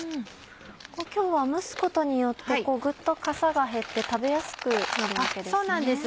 今日は蒸すことによってグッとかさが減って食べやすくなるわけですね。